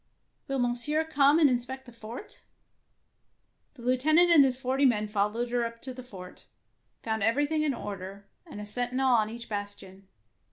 Will Monsieur come and inspect the fortf' The Lieutenant and his forty men followed her up to the fort, found everything in order, and a sentinel on each bastion.